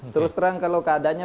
terus terang kalau keadanya